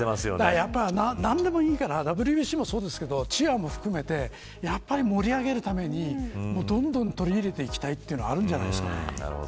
何でもいいから、ＷＢＣもそうですけど、チアも含めて盛り上げるためにどんどん取り入れていきたいというのがあるんじゃないでしょうか。